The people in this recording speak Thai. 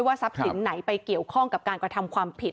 ทรัพย์สินไหนไปเกี่ยวข้องกับการกระทำความผิด